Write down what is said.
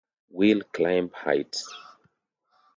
Will climb heights.